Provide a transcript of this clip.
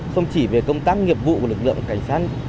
không chỉ về công tác nghiệp vụ của lực lượng cảnh sát